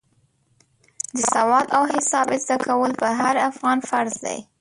د سواد او حساب زده کول پر هر افغان فرض دی.